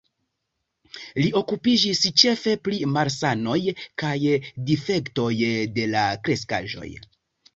Li okupiĝis ĉefe pri malsanoj kaj difektoj de la kreskaĵoj.